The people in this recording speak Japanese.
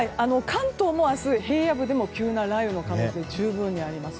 関東も明日、平野部でも急な雷雨の可能性十分にあります。